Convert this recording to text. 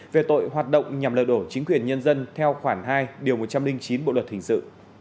về tội hoạt động nhằm lợi đổ chính quyền nhân dân theo khoảng hai một trăm linh chín bộ luật hình sự